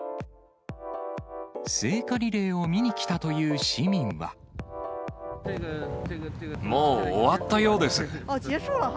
聖火リレーを見に来たというもう終わったようです。